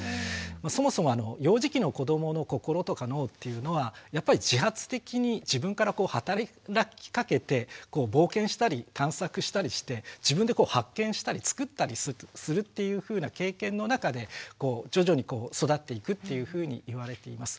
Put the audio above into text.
そもそも幼児期の子どもの心とか脳っていうのはやっぱり自発的に自分から働きかけて冒険したり探索したりして自分で発見したり作ったりするっていうふうな経験の中で徐々に育っていくっていうふうに言われています。